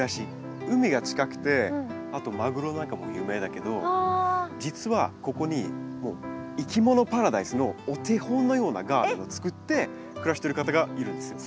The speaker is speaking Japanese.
海が近くてあとマグロなんかも有名だけど実はここにいきものパラダイスのお手本のようなガーデンを作って暮らしてる方がいるんですよ。